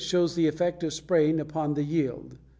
128 shows the effect of spraying upon the yield.